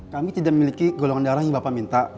kami tidak memiliki golongan darah yang bapak minta